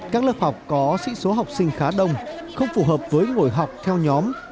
các lớp học có sĩ số học sinh khá đông không phù hợp với ngồi học theo nhóm